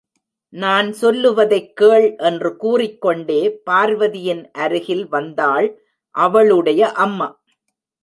நான் சொல்லுவதைக் கேள் என்று கூறிக் கொண்டே பார்வதியின் அருகிலே வந்தாள், அவளுடைய அம்மா.